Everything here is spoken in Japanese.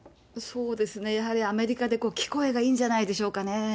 やはりアメリカで聞こえがいいんじゃないでしょうかね。